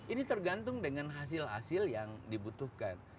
ini tergantung dengan hasil hasil yang dibutuhkan